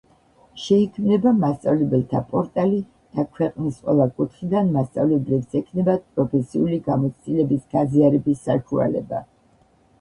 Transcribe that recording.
შეიქმნება მასწავლებელთა პორტალი და ქვეყნის ყველა კუთხიდან მასწავლებლებს ექნებათ პროფესიული გამოცდილების გაზიარების საშუალება.